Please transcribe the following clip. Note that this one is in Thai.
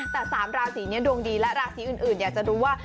แต่๓ราศีนี้ดวงดีและราศีอื่นอยากจะรู้ว่า